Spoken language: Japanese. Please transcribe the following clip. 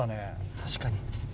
確かに。